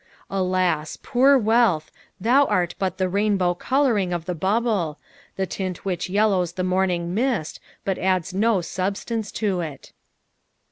Alas ! poor wealth, thou art but the rainbow colouring of the bubble, the tint which yellows the morning miat, but addn no substance to it.